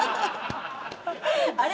あれ？